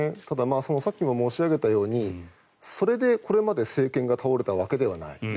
ただ、さっきも申し上げたようにそれで政権が倒れたわけではない。